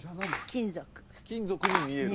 金属金属に見える？